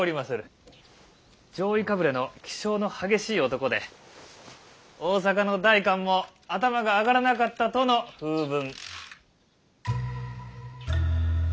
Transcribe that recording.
攘夷かぶれの気性の激しい男で大坂の代官も頭が上がらなかったとの風聞。